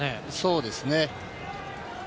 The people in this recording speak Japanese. そうですね。